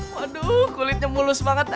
waduh kulitnya mulus banget